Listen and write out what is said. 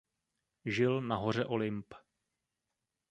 Žil na hoře Olymp.